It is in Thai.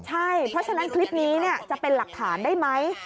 ใช่เพราะฉะนั้นคลิปนี้จะเป็นหลักฐานได้ไหม